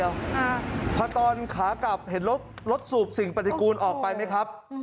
ค่ะพอตอนขากลับเห็นรถรถสูบสิ่งปฏิกูลออกไปไหมครับ